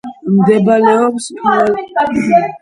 მდებარეობს ფლორესის ზღვის ამავე სახელწოდების კუნძულზე.